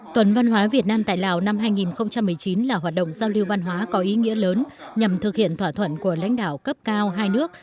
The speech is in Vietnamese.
tuần văn hóa việt nam tại lào năm hai nghìn một mươi chín là hoạt động giao lưu văn hóa có ý nghĩa lớn nhằm thực hiện thỏa thuận của lãnh đạo cấp cao hai nước